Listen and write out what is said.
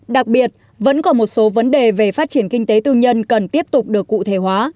đặc biệt vẫn còn một số vấn đề về phát triển kinh tế tư nhân cần tiếp tục được cụ thể hóa